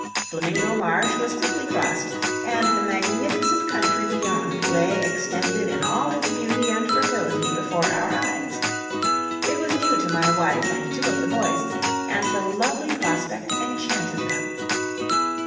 Flamingo Marsh was quickly crossed, and the magnificent country beyond lay extended in all its beauty and fertility before our eyes. It was new to my wife and two of the boys, and the lovely prospect enchanted them.